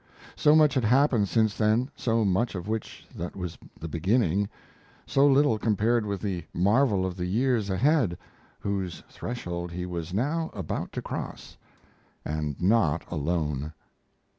So much had happened since then, so much of which that was the beginning so little compared with the marvel of the years ahead, whose threshold he was now about to cross, and not alone.